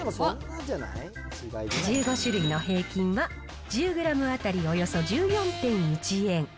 １５種類の平均は、１０グラム当たりおよそ１４．１円。